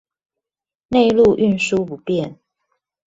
內陸運輸不便